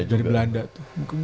dari belanda juga